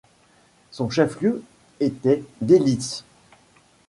Son chef lieu était Delitzsch.